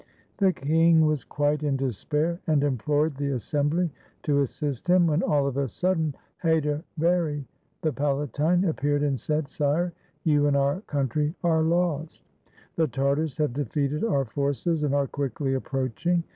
The king was quite in despair and implored the assem bly to assist him, when all of a sudden Hedervary, the palatine, appeared and said, "Sire, you and our coun try are lost. The Tartars have defeated our forces and are quickly approaching."